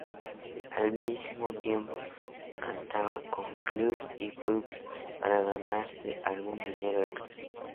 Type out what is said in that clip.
Al mismo tiempo, cantaba en clubes y pubs para ganarse algún dinero extra.